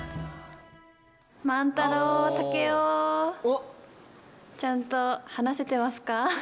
万太郎、竹雄ちゃんと話せてますか？